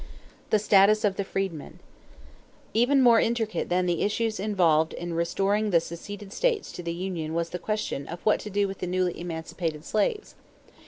=The Status of the Freedmen.= Even more intricate than the issues involved in restoring the seceded states to the union was the question of what to do with the newly emancipated slaves.